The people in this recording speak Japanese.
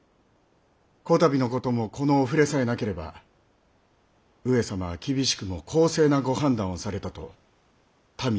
こたびのこともこのお触れさえなければ上様は厳しくも公正なご判断をされたと民も受け止めたことかと。